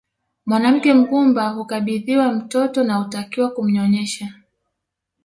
Mwanamke mgumba hukabidhiwa mtoto na hutakiwa kumnyonyesha